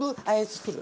作る。